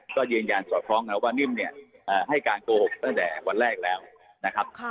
ก็ยืนยันสอดคล้องนะว่านิ่มเนี่ยให้การโกหกตั้งแต่วันแรกแล้วนะครับ